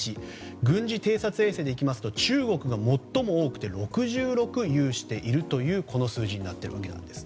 軍事偵察衛星でいきますと中国が最も多くて６６有しているというこの数字になっているわけなんです。